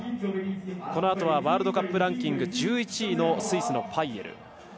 このあとはワールドカップランキング１１位のスイスのパイエル。